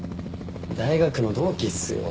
大学の同期っすよ。